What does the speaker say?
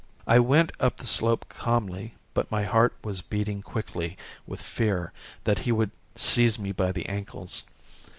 I went up the slope calmly but my heart was beating quickly with fear that he would seize me by the ankles.